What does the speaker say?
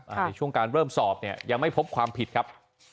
ในช่วงการเริ่มสอบเนี่ยยังไม่พบความผิดครับ